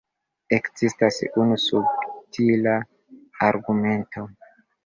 Ekzistas unu subtila argumento.